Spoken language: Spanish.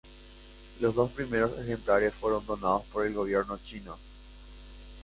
Los dos primeros ejemplares fueron donados por el gobierno chino.